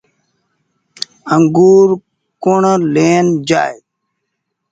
انگور ڪوڻ لين جآئي ۔